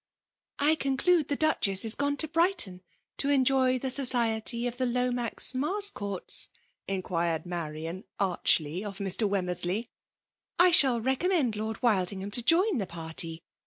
:»' ''I conclude the I>uchcs8isgonetoBrigh* ton to ei^y the society of the Lomax Mars courts?" inquired Mivrian archly of Mr. Wemmersley. '' I shall recommend Lord WildinghAUi to join the party